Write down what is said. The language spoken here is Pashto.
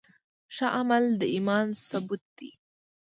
ښه عمل د ایمان ثبوت دی.